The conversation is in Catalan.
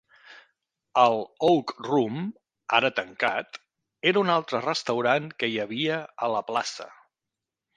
El Oak Room, ara tancat, era un altre restaurant que hi havia a la plaça.